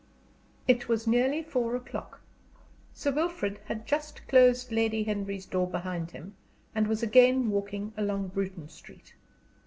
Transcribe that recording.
III It was nearly four o'clock. Sir Wilfrid had just closed Lady Henry's door behind him, and was again walking along Bruton Street.